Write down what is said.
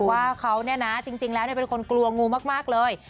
ว่าเขาเนี่ยนะจริงแล้วเป็นคนกลัวงูมากเลย